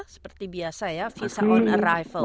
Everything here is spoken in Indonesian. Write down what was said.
seperti biasa ya visa on arrival